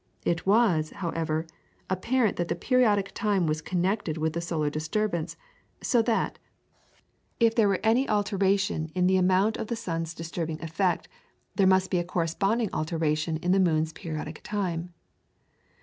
It was, however, apparent that the periodic time was connected with the solar disturbance, so that, if there were any alteration in the amount of the sun's disturbing effect, there must be a corresponding alteration in the moon's periodic time.